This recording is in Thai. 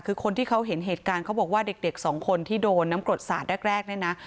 คือคนที่เขาเห็นเหตุการณ์เขาบอกว่าเด็กสองคนที่โดนน้ำกรดสาดแรกเนี่ยนะ